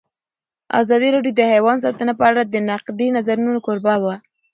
ازادي راډیو د حیوان ساتنه په اړه د نقدي نظرونو کوربه وه.